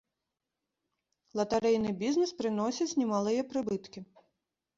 Латарэйны бізнес прыносіць немалыя прыбыткі.